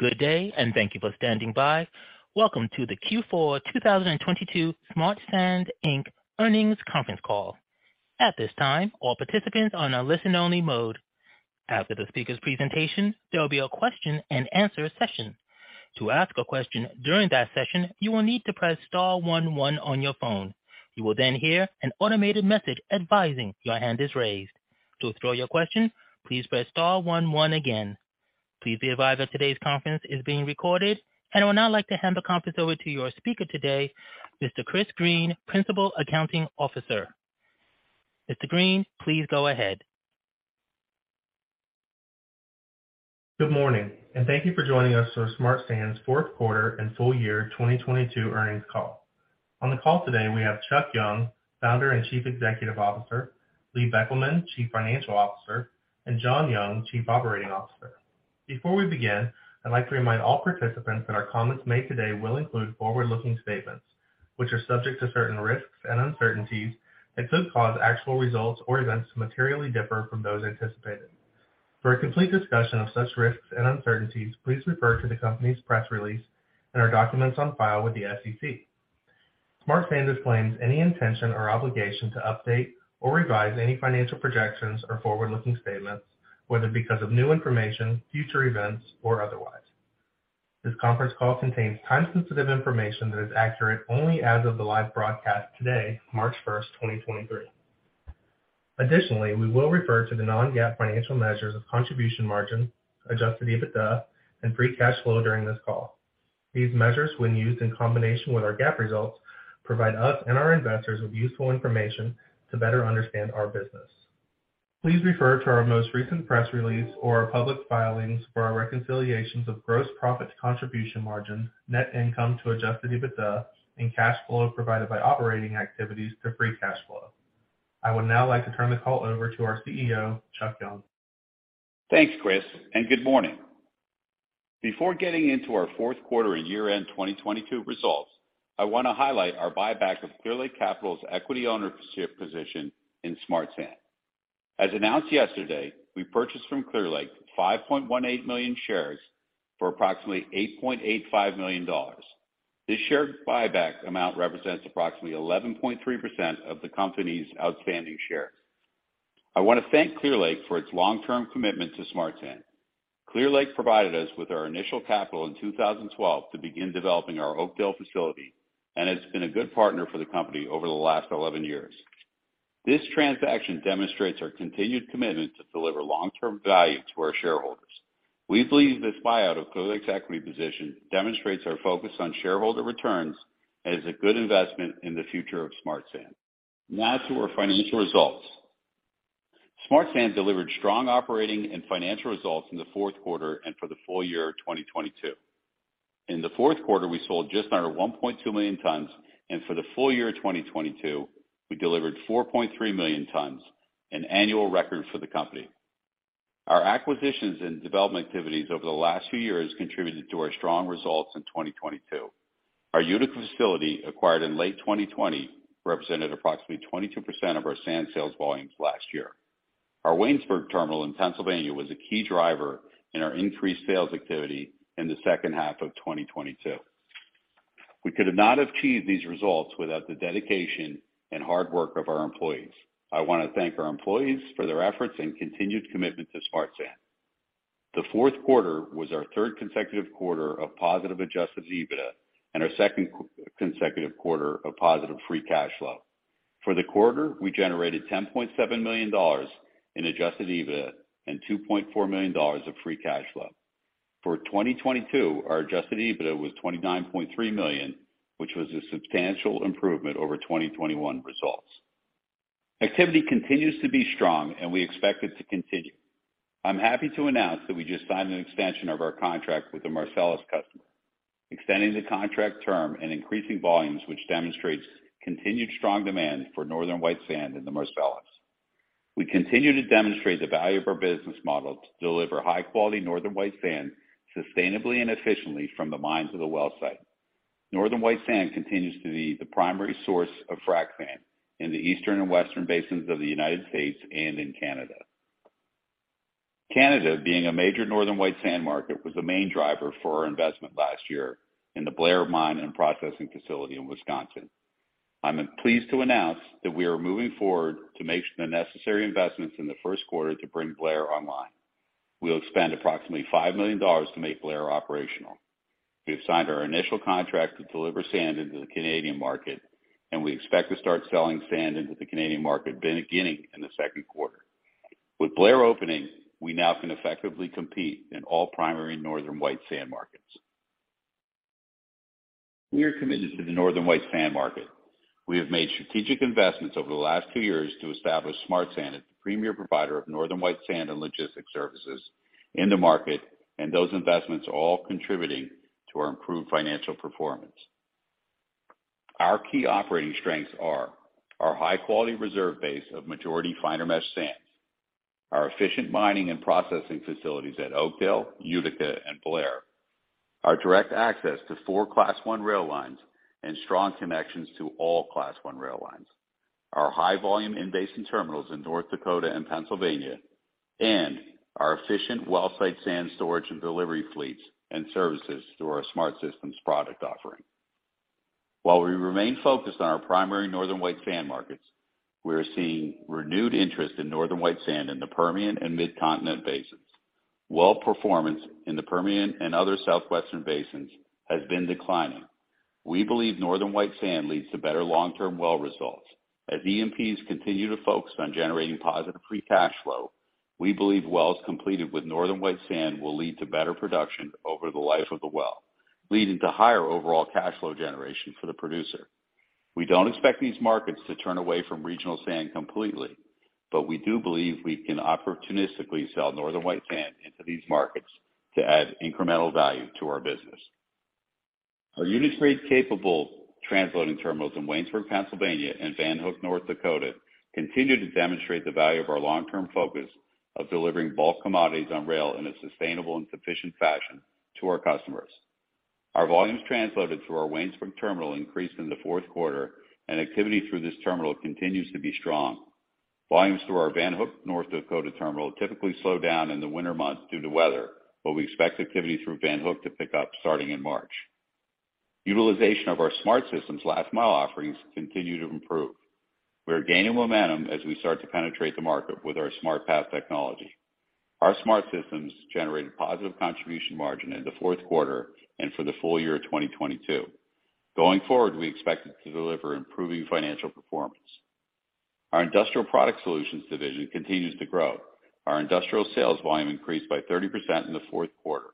Good day. Thank you for standing by. Welcome to the Q4 2022 SmartSand, Inc. Earnings Conference Call. At this time, all participants are on a listen-only mode. After the speaker's presentation, there will be a question and answer session. To ask a question during that session, you will need to press star one one on your phone. You will hear an automated message advising your hand is raised. To withdraw your question, please press star one one again. Please be advised that today's conference is being recorded. I would now like to hand the conference over to your speaker today, Mr. Chris Green, Principal Accounting Officer. Mr. Green, please go ahead. Good morning, and thank you for joining us for SmartSand's fourth quarter and full year 2022 earnings call. On the call today, we have Chuck Young, Founder and Chief Executive Officer, Lee Beckelman, Chief Financial Officer, and John Young, Chief Operating Officer. Before we begin, I'd like to remind all participants that our comments made today will include forward-looking statements, which are subject to certain risks and uncertainties and could cause actual results or events to materially differ from those anticipated. For a complete discussion of such risks and uncertainties, please refer to the company's press release and our documents on file with the SEC. SmartSand disclaims any intention or obligation to update or revise any financial projections or forward-looking statements, whether because of new information, future events, or otherwise. This conference call contains time-sensitive information that is accurate only as of the live broadcast today, March 1, 2023. Additionally, we will refer to the non-GAAP financial measures of contribution margin, adjusted EBITDA, and free cash flow during this call. These measures, when used in combination with our GAAP results, provide us and our investors with useful information to better understand our business. Please refer to our most recent press release or our public filings for our reconciliations of gross profit to contribution margin, net income to adjusted EBITDA, and cash flow provided by operating activities to free cash flow. I would now like to turn the call over to our CEO, Chuck Young. Thanks, Chris. Good morning. Before getting into our fourth quarter and year-end 2022 results, I wanna highlight our buyback of Clearlake Capital's equity ownership position in SmartSand. As announced yesterday, we purchased from Clearlake 5.18 million shares for approximately $8.85 million. This share buyback amount represents approximately 11.3% of the company's outstanding shares. I wanna thank Clearlake for its long-term commitment to SmartSand. Clearlake provided us with our initial capital in 2012 to begin developing our Oakdale facility and has been a good partner for the company over the last 11 years. This transaction demonstrates our continued commitment to deliver long-term value to our shareholders. We believe this buyout of Clearlake's equity position demonstrates our focus on shareholder returns and is a good investment in the future of SmartSand. Now to our financial results. SmartSand delivered strong operating and financial results in the fourth quarter and for the full year 2022. In the fourth quarter, we sold just under 1.2 million tons. For the full year 2022, we delivered 4.3 million tons, an annual record for the company. Our acquisitions and development activities over the last few years contributed to our strong results in 2022. Our Utica facility, acquired in late 2020, represented approximately 22% of our sand sales volumes last year. Our Waynesburg terminal in Pennsylvania was a key driver in our increased sales activity in the second half of 2022. We could have not achieved these results without the dedication and hard work of our employees. I wanna thank our employees for their efforts and continued commitment to SmartSand. The fourth quarter was our third consecutive quarter of positive adjusted EBITDA and our second consecutive quarter of positive free cash flow. For the quarter, we generated $10.7 million in adjusted EBITDA and $2.4 million of free cash flow. For 2022, our adjusted EBITDA was $29.3 million, which was a substantial improvement over 2021 results. Activity continues to be strong, and we expect it to continue. I'm happy to announce that we just signed an extension of our contract with the Marcellus customer, extending the contract term and increasing volumes, which demonstrates continued strong demand for Northern White Sand in the Marcellus. We continue to demonstrate the value of our business model to deliver high-quality Northern White Sand sustainably and efficiently from the mines of the well-site. Northern White Sand continues to be the primary source of frac sand in the Eastern and Western basins of the United States and in Canada. Canada, being a major Northern White Sand market, was the main driver for our investment last year in the Blair Mine and processing facility in Wisconsin. I'm pleased to announce that we are moving forward to make the necessary investments in the first quarter to bring Blair online. We'll expend approximately $5 million to make Blair operational. We have signed our initial contract to deliver sand into the Canadian market, and we expect to start selling sand into the Canadian market beginning in the second quarter. With Blair opening, we now can effectively compete in all primary Northern White Sand markets. We are committed to the Northern White Sand market. We have made strategic investments over the last two years to establish SmartSand as the premier provider of Northern White Sand and logistics services in the market, and those investments are all contributing to our improved financial performance. Our key operating strengths are our high-quality reserve base of majority finer mesh sands, our efficient mining and processing facilities at Oakdale, Utica, and Blair, our direct access to four Class I rail lines, and strong connections to all Class I rail lines, our high volume in basin terminals in North Dakota and Pennsylvania, and our efficient well site sand storage and delivery fleets and services through our SmartSystems product offering. While we remain focused on our primary Northern White Sand markets, we are seeing renewed interest in Northern White Sand in the Permian and Mid-Continent basins. Well performance in the Permian and other Southwestern basins has been declining. We believe Northern White Sand leads to better long-term well results. As E&Ps continue to focus on generating positive free cash flow, we believe wells completed with Northern White Sand will lead to better production over the life of the well, leading to higher overall cash flow generation for the producer. We don't expect these markets to turn away from regional sand completely. We do believe we can opportunistically sell Northern White Sand into these markets to add incremental value to our business. Our unit train capable transloading terminals in Waynesburg, Pennsylvania, and Van Hook, North Dakota, continue to demonstrate the value of our long-term focus of delivering bulk commodities on rail in a sustainable and sufficient fashion to our customers. Our volumes transloaded through our Waynesburg terminal increased in the fourth quarter. Activity through this terminal continues to be strong. Volumes through our Van Hook North Dakota terminal typically slow down in the winter months due to weather, but we expect activity through Van Hook to pick up starting in March. Utilization of our SmartSystems last-mile offerings continue to improve. We are gaining momentum as we start to penetrate the market with our SmartPath technology. Our SmartSystems generated positive contribution margin in the fourth quarter and for the full year 2022. Going forward, we expect it to deliver improving financial performance. Our Industrial Products Solutions division continues to grow. Our industrial sales volume increased by 30% in the fourth quarter.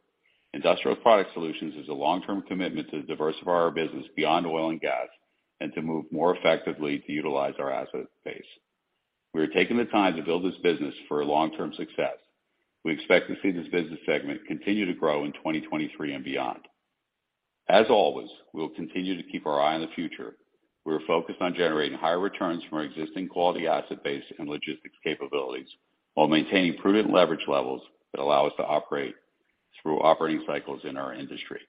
Industrial Products Solutions is a long-term commitment to diversify our business beyond oil and gas and to move more effectively to utilize our asset base. We are taking the time to build this business for long-term success. We expect to see this business segment continue to grow in 2023 and beyond. As always, we'll continue to keep our eye on the future. We're focused on generating higher returns from our existing quality asset base and logistics capabilities while maintaining prudent leverage levels that allow us to operate through operating cycles in our industry.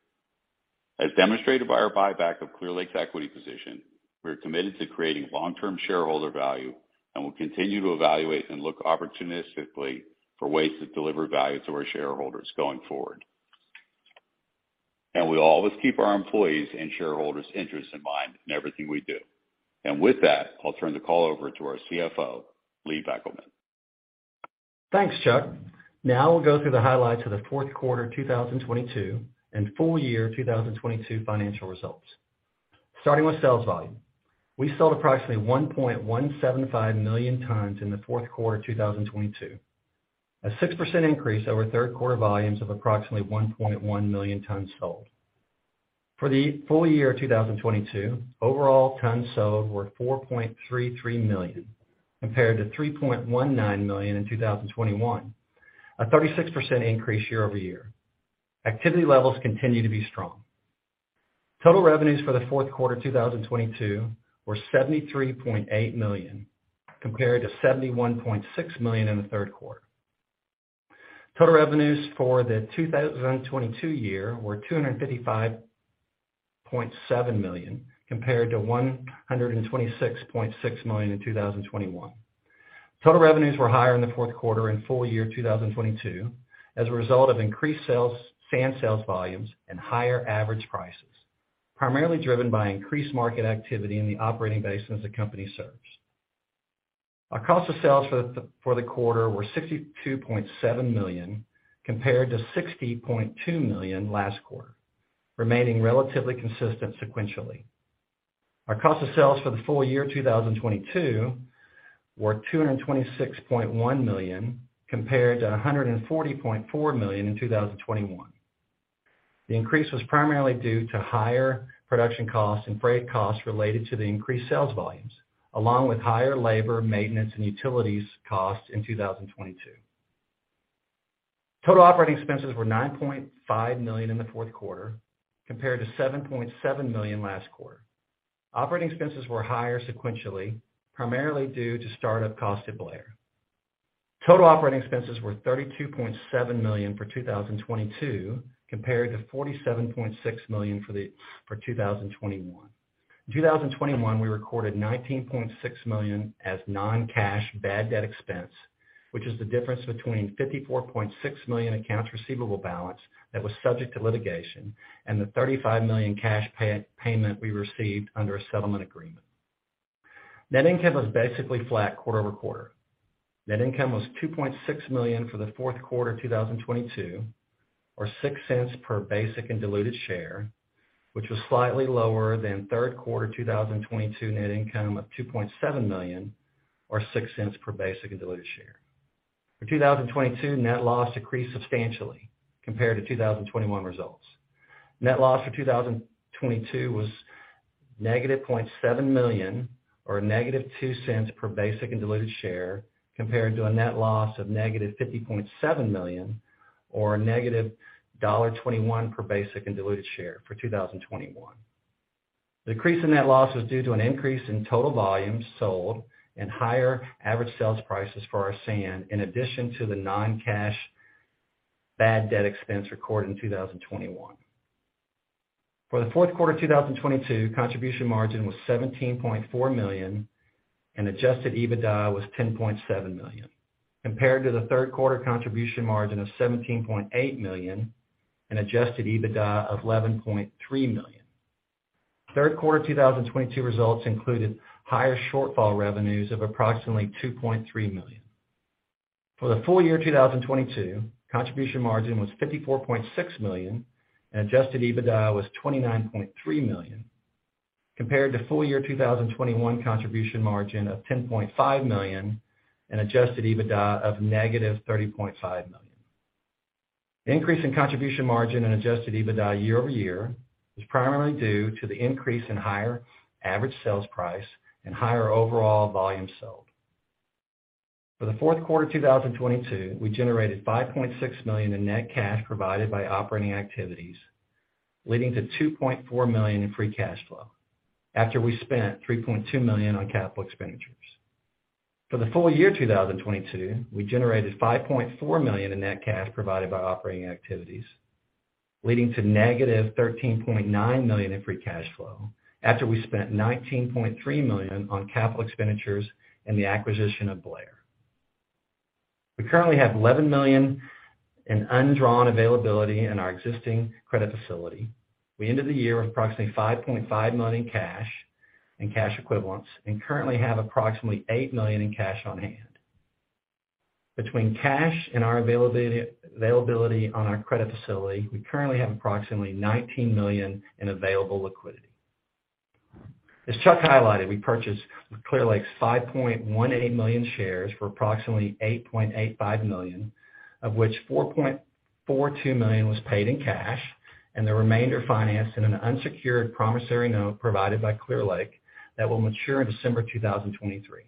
As demonstrated by our buyback of Clearlake's equity position, we're committed to creating long-term shareholder value, and we'll continue to evaluate and look opportunistically for ways to deliver value to our shareholders going forward. We always keep our employees' and shareholders' interests in mind in everything we do. With that, I'll turn the call over to our CFO, Lee Beckelman. Thanks, Chuck. Now we'll go through the highlights of the fourth quarter 2022 and full year 2022 financial results. Starting with sales volume. We sold approximately 1.175 million tons in the fourth quarter 2022. A 6% increase over third quarter volumes of approximately 1.1 million tons sold. For the full year 2022, overall tons sold were 4.33 million compared to 3.19 million in 2021. A 36% increase year-over-year. Activity levels continue to be strong. Total revenues for the fourth quarter 2022 were $73.8 million compared to $71.6 million in the third quarter. Total revenues for the 2022 year were $255.7 million compared to $126.6 million in 2021. Total revenues were higher in the fourth quarter and full year 2022 as a result of increased sales, sand sales volumes and higher average prices, primarily driven by increased market activity in the operating basins the company serves. Our cost of sales for the quarter were $62.7 million compared to $60.2 million last quarter, remaining relatively consistent sequentially. Our cost of sales for the full year 2022 were $226.1 million compared to $140.4 million in 2021. The increase was primarily due to higher production costs and freight costs related to the increased sales volumes, along with higher labor, maintenance, and utilities costs in 2022. Total operating expenses were $9.5 million in the fourth quarter compared to $7.7 million last quarter. Operating expenses were higher sequentially, primarily due to start-up cost at Blair. Total operating expenses were $32.7 million for 2022 compared to $47.6 million for 2021. In 2021, we recorded $19.6 million as non-cash bad debt expense, which is the difference between $54.6 million accounts receivable balance that was subject to litigation and the $35 million cash payment we received under a settlement agreement. Net income was basically flat quarter-over-quarter. Net income was $2.6 million for the fourth quarter 2022, or $0.06 per basic and diluted share, which was slightly lower than third quarter 2022 net income of $2.7 million or $0.06 per basic and diluted share. For 2022, net loss decreased substantially compared to 2021 results. Net loss for 2022 was -$0.7 million or -$0.02 per basic and diluted share, compared to a net loss of -$50.7 million or a -$1.21 per basic and diluted share for 2021. The decrease in net loss was due to an increase in total volumes sold and higher average sales prices for our sand in addition to the non-cash bad debt expense recorded in 2021. For the fourth quarter 2022, contribution margin was $17.4 million and adjusted EBITDA was $10.7 million, compared to the third quarter contribution margin of $17.8 million and adjusted EBITDA of $11.3 million. Third quarter 2022 results included higher shortfall revenues of approximately $2.3 million. For the full year 2022, contribution margin was $54.6 million and adjusted EBITDA was $29.3 million, compared to full year 2021 contribution margin of $10.5 million and adjusted EBITDA of -$30.5 million. Increase in contribution margin and adjusted EBITDA year-over-year is primarily due to the increase in higher average sales price and higher overall volume sold. For the fourth quarter 2022, we generated $5.6 million in net cash provided by operating activities, leading to $2.4 million in free cash flow after we spent $3.2 million on capital expenditures. For the full year 2022, we generated $5.4 million in net cash provided by operating activities, leading to negative $13.9 million in free cash flow after we spent $19.3 million on capital expenditures and the acquisition of Blair. We currently have $11 million in undrawn availability in our existing credit facility. We ended the year with approximately $5.5 million cash in cash equivalents and currently have approximately $8 million in cash on hand. Between cash and our availability on our credit facility, we currently have approximately $19 million in available liquidity. As Chuck highlighted, we purchased Clearlake's 5.18 million shares for approximately $8.85 million, of which $4.42 million was paid in cash and the remainder financed in an unsecured promissory note provided by Clearlake that will mature in December 2023.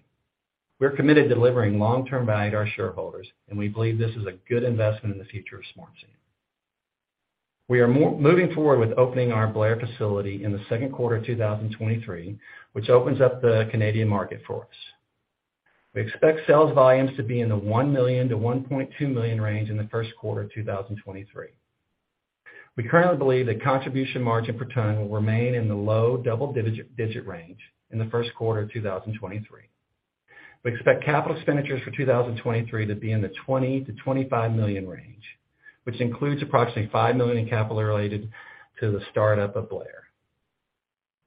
We're committed to delivering long-term value to our shareholders, and we believe this is a good investment in the future SmartSand. We are moving forward with opening our Blair facility in the second quarter 2023, which opens up the Canadian market for us. We expect sales volumes to be in the 1 million to 1.2 million range in the first quarter of 2023. We currently believe that contribution margin per ton will remain in the low double-digit range in the first quarter of 2023. We expect capital expenditures for 2023 to be in the $20 million-$25 million range, which includes approximately $5 million in capital related to the startup of Blair.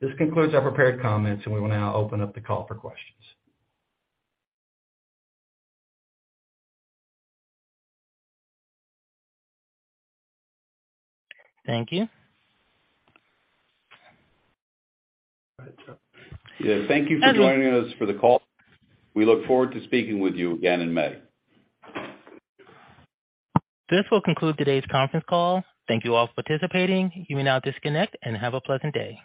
This concludes our prepared comments. We will now open up the call for questions. Thank you. Yeah, thank you for joining us for the call. We look forward to speaking with you again in May. This will conclude today's conference call. Thank you all for participating. You may now disconnect and have a pleasant day.